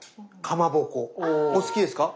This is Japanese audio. かまぼこお好きですか？